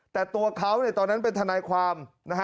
แต่ตัวเขาตอนนั้นเป็นทนายความ